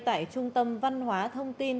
tại trung tâm văn hóa thông tin